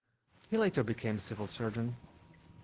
He later became Civil Surgeon.